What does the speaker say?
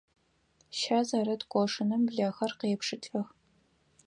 Щэ зэрыт къошыным блэхэр къепшылӀэх.